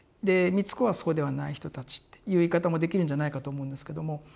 で美津子はそうではない人たちっていう言い方もできるんじゃないかと思うんですけども。